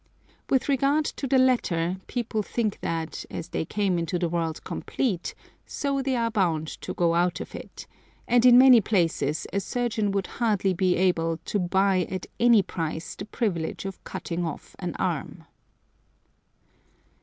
With regard to the latter, people think that, as they came into the world complete, so they are bound to go out of it, and in many places a surgeon would hardly be able to buy at any price the privilege of cutting off an arm.